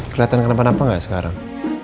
keliatan kenapa napa ga sekarang